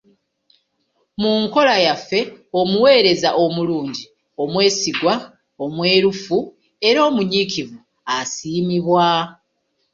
Mu nkola yaffe omuweereza omulungi, omwesigwa, omwerufu era omunyiikivu, asiimibwa.